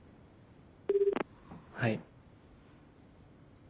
はい。